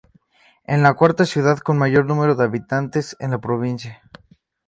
Es la cuarta ciudad con mayor número de habitantes en la provincia.